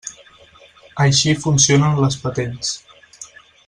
Així funcionen les patents.